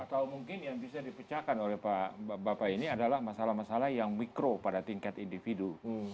atau mungkin yang bisa dipecahkan oleh bapak ini adalah masalah masalah yang mikro pada tingkat individu